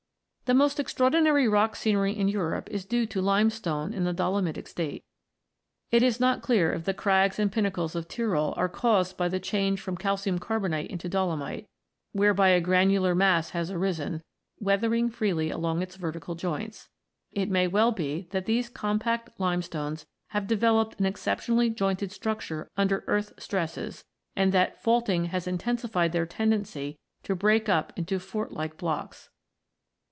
The most extraordinary rock scenery in Europe is due to limestone in the dolomitic state. It is not clear if the crags and pinnacles of Tyrol are caused by the change from calcium carbonate into dolomite, whereby a granular mass has arisen, weathering freely along its vertical joints. It may well be that these compact limestones have developed an exceptionally jointed structure under earth stresses, and that faulting has intensified their tendency to break up into fort like blocks.